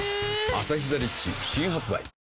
「アサヒザ・リッチ」新発売